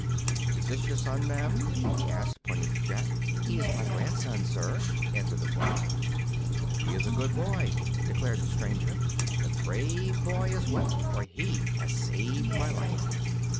"Is this your son, ma'am?" he asked, pointing to Jack. "He is my grandson, sir," answered the woman. "He is a good boy," declared the stranger, "and a brave boy as well, for he has saved my life.